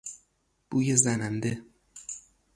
بویزننده